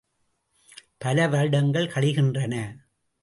பல வருடங்கள் கழிகின்றன.